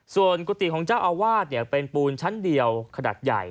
ส่วนกุฏิของเจ้าอาวาสเป็นปูนชั้นเดียวขนาดใหญ่